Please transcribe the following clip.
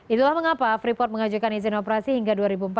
itulah mengapa freeport mengajukan izin operasi hingga dua ribu empat belas